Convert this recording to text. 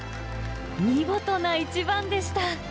見事な一番でした。